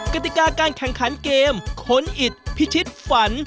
กติกาการแข่งขันเกมขนอิดพิชิตฝัน